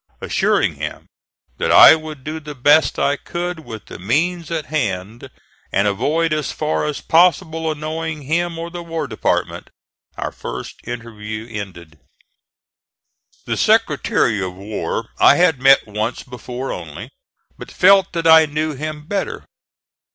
Assuring him that I would do the best I could with the means at hand, and avoid as far as possible annoying him or the War Department, our first interview ended. The Secretary of War I had met once before only, but felt that I knew him better.